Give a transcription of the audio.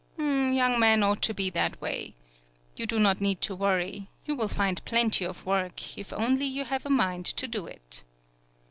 Young men ought to be that way. You do not need to worry. You will find plenty of work, if only you have a mind to do it."